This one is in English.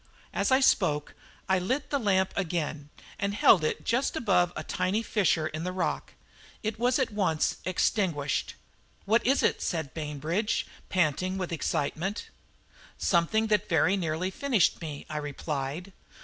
As I spoke I lit the lamp again and held it just above a tiny fissure in the rock. It was at once extinguished. "What is it?" said Bainbridge, panting with excitement. "Something that nearly finished me," I replied.